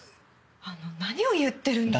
あの何を言ってるんです？